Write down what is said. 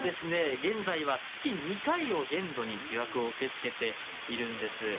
現在は月２回を限度に予約を受け付けているんです。